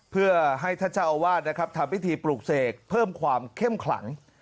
เพื่อให้ท่านเจ้าอาวาสนะครับทำพิธีปลูกเสกเพิ่มความเข้มขลัง